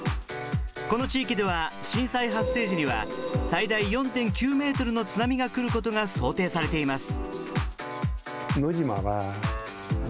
この地域では震災発生時には最大４．９メートルの津波が来ることが想定されています。